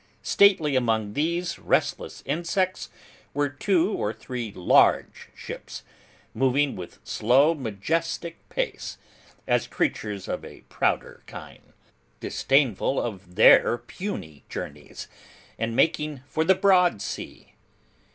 Stately among these restless Insects, were two or three large ships, moving with slow majestic pace, as creatures of a prouder kind, disdainful of their puny journeys, and making for the broad sea.